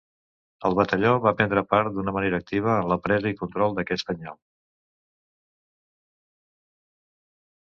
El batalló va prendre part d’una manera activa en la presa i control d’aquest Penyal.